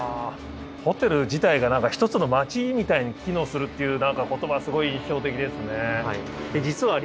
ホテル自体が何かひとつの街みたいに機能するっていう言葉すごい印象的ですね。